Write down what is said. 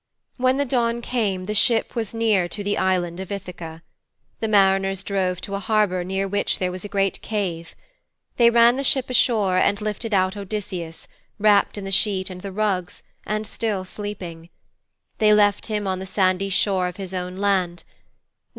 When the dawn came the ship was near to the Island of Ithaka. The mariners drove to a harbour near which there was a great cave. They ran the ship ashore and lifted out Odysseus, wrapped in the sheet and the rugs, and still sleeping. They left him on the sandy shore of his own land.